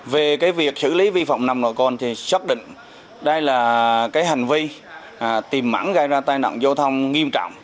về việc xử lý vi phạm nồng độ cồn thì xác định đây là hành vi tìm mẵn gây ra tai nạn giao thông nghiêm trọng